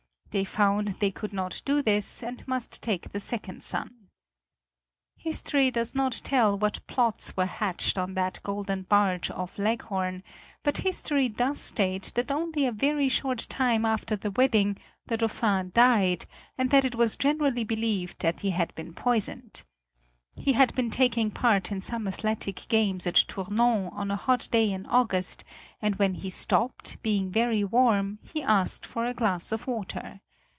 They found they could not do this, and must take the second son. History does not tell what plots were hatched on that golden barge off Leghorn, but history does state that only a very short time after the wedding the Dauphin died, and that it was generally believed that he had been poisoned. He had been taking part in some athletic games at Tournon on a hot day in August, and when he stopped, being very warm, he asked for a glass of water.